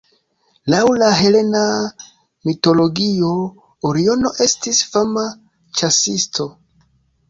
Laŭ la helena mitologio Oriono estis fama ĉasisto.